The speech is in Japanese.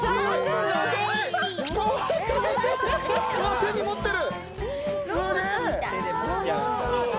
手に持っている。